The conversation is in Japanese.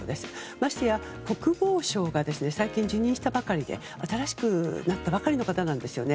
ましてや国防相が最近、辞任したばかりで新しくなったばかりの方なんですよね。